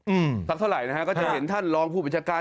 สักเท่าไหร่นะฮะก็จะเห็นท่านรองผู้บัญชาการ